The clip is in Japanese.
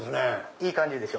いい感じでしょ？